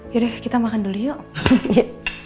yaudah deh kita makan dulu yuk